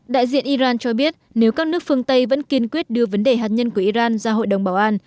đại diện iran cho biết nếu các nước phương tây vẫn kiên quyết đưa vấn đề hạt nhân của iran ra hội đồng bảo an